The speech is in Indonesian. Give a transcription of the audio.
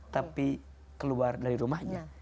tapi keluar dari rumahnya